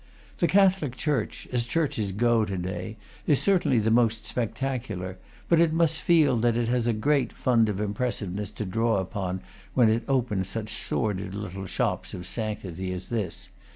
The Catholic church, as churches go to day, is certainly the most spectacular; but it must feel that it has a great fund of impressiveness to draw upon when it opens such sordid little shops of sanctity as this.